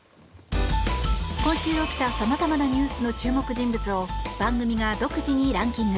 今週起きたさまざまなニュースの注目人物を番組が独自にランキング。